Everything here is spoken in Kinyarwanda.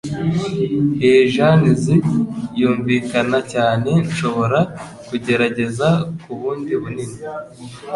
Iyi jeans yunvikana cyane. Nshobora kugerageza ku bundi bunini?